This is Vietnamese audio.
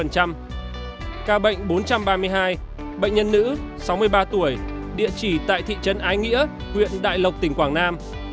ca bệnh bốn trăm ba mươi hai bệnh nhân nữ sáu mươi ba tuổi địa chỉ tại thị trấn ái nghĩa huyện đại lộc tỉnh quảng nam